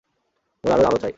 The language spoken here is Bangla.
ওর আরও আলো চাই।